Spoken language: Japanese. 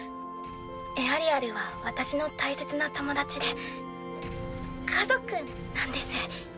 エアリアルは私の大切な友達で家族なんです。